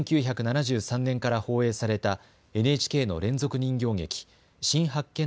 １９７３年から放映されたＮＨＫの連続人形劇、新八犬